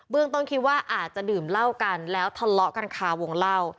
ต้นคิดว่าอาจจะดื่มเหล้ากันแล้วทะเลาะกันคาวงเล่า